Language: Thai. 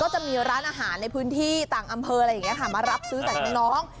ก็จะมีร้านอาหารในพื้นที่ต่างอำเภอมารับซื้อสักน้อง